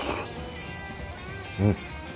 うん！